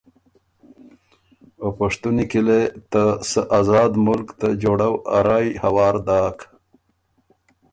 او پشتُونی کی لې ته سۀ آزاد ملک ته جوړؤ ا رایٛ هوار داک۔